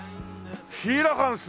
「シーラカンス」！